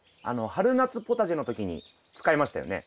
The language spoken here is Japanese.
春夏ポタジェの時に使いましたよね。